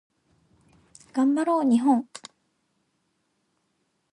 頑張ろう日本